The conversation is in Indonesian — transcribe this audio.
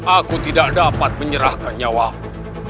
aku tidak dapat menyerahkan nyawaku